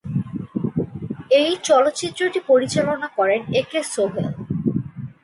এই চলচ্চিত্রটি পরিচালনা করেন একে সোহেল।